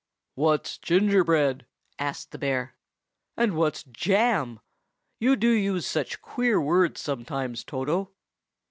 "What's gingerbread?" asked the bear. "And what's jam? You do use such queer words sometimes, Toto."